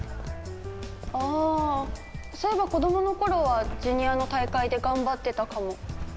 ああそういえば子供の頃はジュニアの大会で頑張ってたかも。